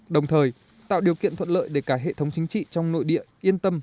đồng thời tạo điều kiện thuận lợi để cả hệ thống chính trị trong nội địa yên tâm